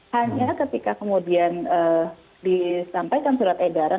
hanya ketika kemudian disampaikan surat edaran